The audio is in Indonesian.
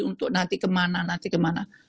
untuk nanti kemana nanti kemana